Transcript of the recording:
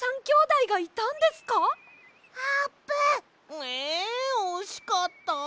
えおしかった！